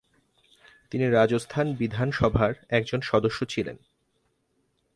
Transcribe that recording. তিনি রাজস্থান বিধানসভার একজন সদস্য ছিলেন।